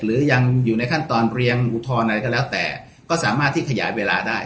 หรือยังอยู่ในขั้นตอนเรียงอุทธรณ์อะไรก็แล้วแต่ก็สามารถที่ขยายเวลาได้